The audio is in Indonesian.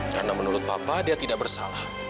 karena menurut papa dia tidak bersalah